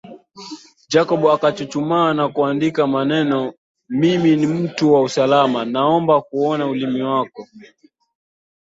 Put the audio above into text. Jacob akachuchumaa na kuandika manenomimi ni mtu wa usalama naomba kuona ulimi wako